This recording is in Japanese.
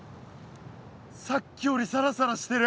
さっきよりサラサラしてる。